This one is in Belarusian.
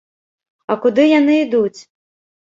А куды яны ідуць?